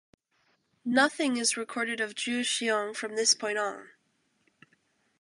Nothing is recorded of Zhi Xiong from this point on.